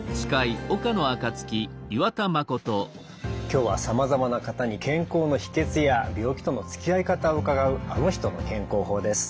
今日はさまざまな方に健康の秘けつや病気とのつきあい方を伺う「あの人の健康法」です。